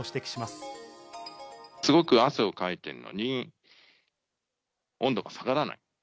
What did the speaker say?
すごく汗をかいているのに、温度が下がらない。